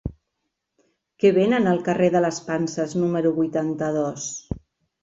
Què venen al carrer de les Panses número vuitanta-dos?